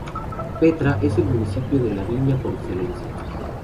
Petra es el municipio de la viña por excelencia.